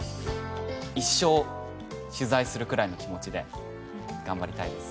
一生取材するくらいの気持ちで頑張りたいです。